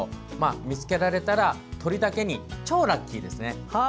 見つけられたら鳥だけにちょうラッキーですね。